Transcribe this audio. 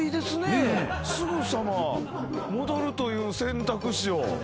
すぐさま戻るという選択肢を。